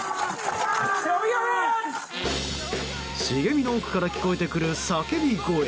茂みの奥から聞こえてくる叫び声。